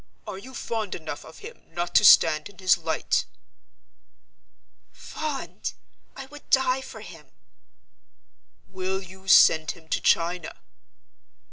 Are you fond enough of him not to stand in his light?" "Fond! I would die for him!" "Will you send him to China?"